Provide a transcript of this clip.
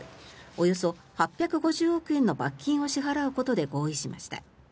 およそ８５０億円の罰金を支払うことで合意しました。